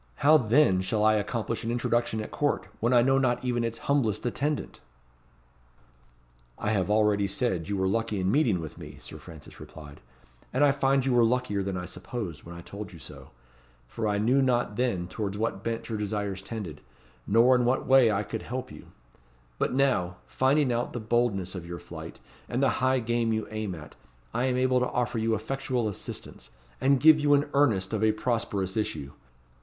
How then shall I accomplish an introduction at Court, when I know not even its humblest attendant?" "I have already said you were lucky in meeting with me," Sir Francis replied; "and I find you were luckier than I supposed, when I told you so; for I knew not then towards what bent your desires tended, nor in what way I could help you; but now, finding out the boldness of your flight, and the high game you aim at, I am able to offer you effectual assistance, and give you an earnest of a prosperous issue.